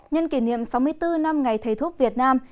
nhân kỷ niệm sáu mươi bốn năm ngày thầy thuốc việt nam